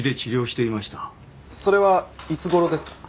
それはいつ頃ですか？